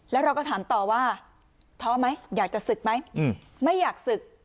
แล้วเราก็ถามต่อว่าท้อไหมอยากจะศึกไหมไม่อยากศึก